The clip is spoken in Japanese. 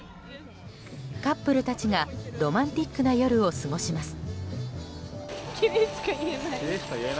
カップルたちがロマンティックな夜を過ごします。